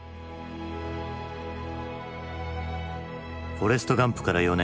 「フォレスト・ガンプ」から４年。